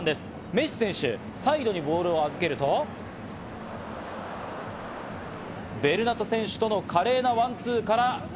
メッシ選手、サイドにボールを預けると、ベルナト選手との華麗なワンツーから。